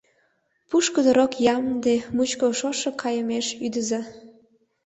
Пушкыдо рок ямде мучко Шошо кайымеш ӱдыза: